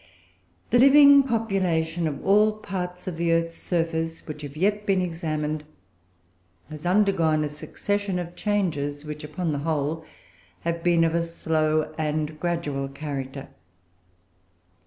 The living population of all parts of the earth's surface which have yet been examined has undergone a succession of changes which, upon the whole, have been of a slow and gradual character.